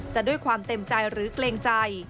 จะด้วยความเต็มใจหรือเกรงใจ